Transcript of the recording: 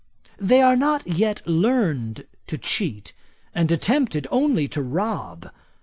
They had not yet learned to cheat, and attempted only to rob.